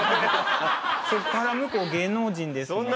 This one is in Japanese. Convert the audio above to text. そっから向こう芸能人ですもん。